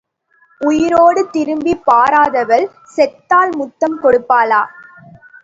உயிரோடு திரும்பிப் பாராதவள் செத்தால் முத்தம் கொடுப்பாளா?